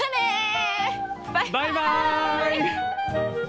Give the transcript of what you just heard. バイバイ！